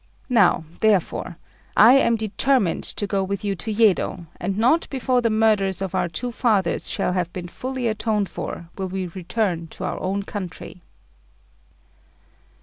Now, therefore, I am determined to go with you to Yedo, and not before the murders of our two fathers shall have been fully atoned for will we return to our own country."